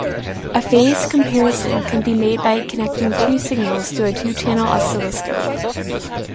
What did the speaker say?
A phase comparison can be made by connecting two signals to a two-channel oscilloscope.